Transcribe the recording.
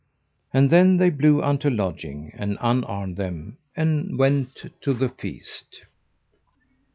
And then they blew unto lodging, and unarmed them, and went to the feast.